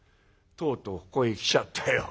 とうとうここへきちゃったよ。